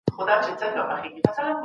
علمي وړتیا انسان له حیواناتو جلا کوي.